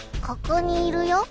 ここにいるよ